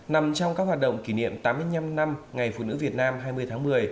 nằm trong các hoạt động kỷ niệm tám mươi năm năm ngày phụ nữ việt nam hai mươi tháng một mươi